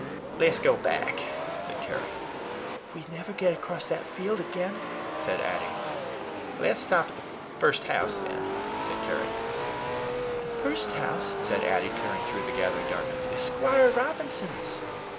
"Let us go back," said Carry. "We'd never get across that field again," said Addy. "Let's stop at the first house, then," said Carry. "The first house," said Addy, peering through the gathering darkness, "is Squire Robinson's."